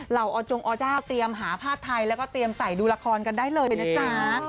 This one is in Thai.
อจงอเจ้าเตรียมหาผ้าไทยแล้วก็เตรียมใส่ดูละครกันได้เลยนะจ๊ะ